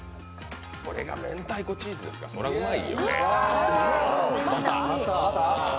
それが明太子チーズですか、それはうまいですよ。